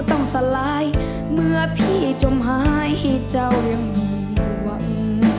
สลายเมื่อพี่จมหายเจ้ายังมีหวัง